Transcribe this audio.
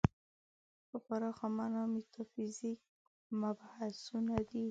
په پراخه معنا میتافیزیک مبحثونه دي.